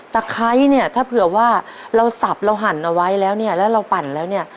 ไคร้เนี่ยถ้าเผื่อว่าเราสับเราหั่นเอาไว้แล้วเนี่ยแล้วเราปั่นแล้วเนี่ย